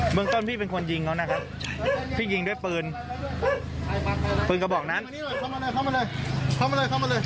เมืองต้นพี่หยิงแล้วนะครับพี่หยิงด้วยกระบอกพืน